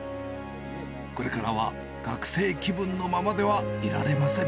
これからは学生気分のままではいられません。